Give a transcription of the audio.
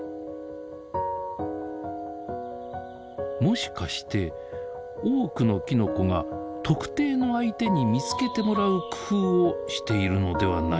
もしかして多くのきのこが特定の相手に見つけてもらう工夫をしているのではないか。